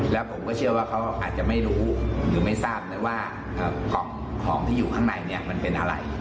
แล้วผมก็เชื่อว่าเขาอาจจะไม่รู้หรือไม่ทราบเลยว่ากล่องของที่อยู่ข้างในเนี่ยมันเป็นอะไร